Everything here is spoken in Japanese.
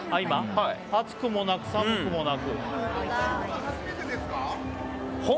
暑くもなく寒くもなく。